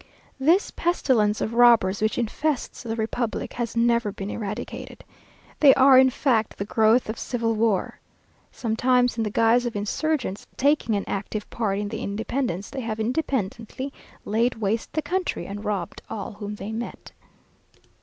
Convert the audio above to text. This pestilence of robbers, which infests the republic, has never been eradicated. They are in fact the growth of civil war. Sometimes in the guise of insurgents, taking an active part in the independence, they have independently laid waste the country, and robbed all whom they met.